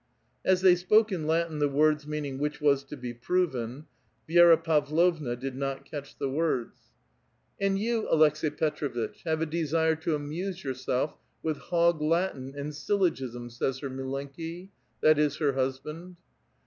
As they spoke in Latin the words meaning *' which was to be proven," Vi^ra Pavlovna did not catch the words. A VITAL QUESTION. 165 And yon, Aleks^i Petr6vitch, have a desire to amuse yourself with hog Latin and syllogisms," says her milenki; that is, her husband.